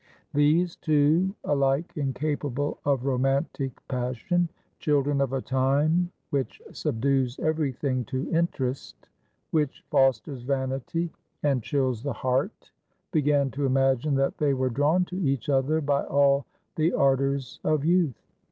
These two, alike incapable of romantic passion, children of a time which subdues everything to interest, which fosters vanity and chills the heart, began to imagine that they were drawn to each other by all the ardours of youth.